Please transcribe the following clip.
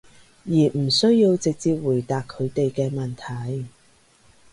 而唔需要直接回答佢哋嘅問題